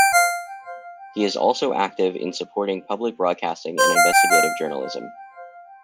He is also active in supporting public broadcasting and investigative journalism.